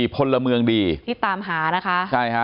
พลเมืองดีที่ตามหานะคะใช่ค่ะ